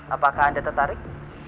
apakah anda tertarik